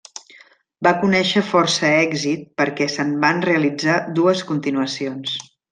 Va conèixer força èxit perquè se'n van realitzar dues continuacions.